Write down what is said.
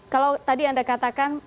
kalau tadi anda katakan